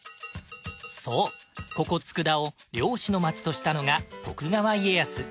そうここ佃を漁師の街としたのが徳川家康。